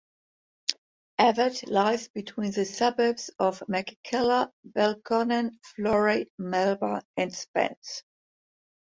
Evatt lies between the suburbs of McKellar, Belconnen, Florey, Melba and Spence.